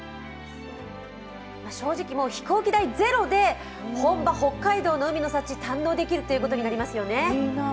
正直、飛行機代ゼロで本場・北海道の海の幸、堪能できるということになりますよね。